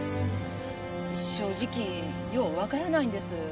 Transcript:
正直ようわからないんです。